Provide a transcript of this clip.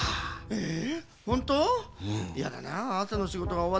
ええ。